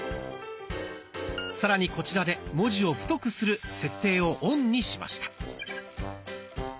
さらにこちらで「文字を太くする」設定をオンにしました。